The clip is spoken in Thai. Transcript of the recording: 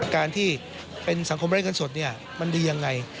การที่เป็นสังคมบริเวณเงินสดมันดีอย่างไร